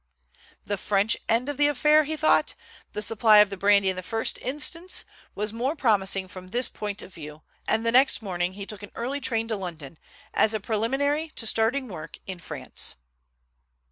The French end of the affair, he thought, the supply of the brandy in the first instance, was more promising from this point of view, and the next morning he took an early train to London as a preliminary to starting work in France.